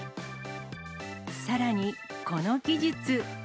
さらにこの技術。